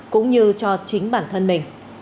cũng như cho chính bản thân mình